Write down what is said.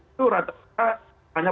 itu rata rata hanya